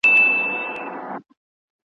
هیلې راغلې تر کشپه ویل یاره